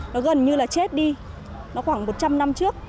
nó gần như là chết đi nó khoảng một trăm linh năm trước